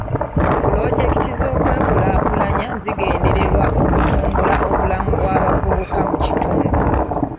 Pulozekiti z'okwekulaakulanya zigendererwa okutumbula obulamu bw'abavubuka mu kitundu.